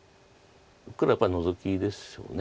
黒はやっぱりノゾキでしょう。